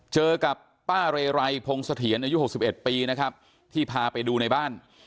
เจอกับป้าเรไรพงเสถียรอายุ๖๑ปีนะครับที่พาไปดูในบ้าน